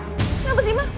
kenapa sih ma